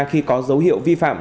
khi có dấu hiệu vi phạm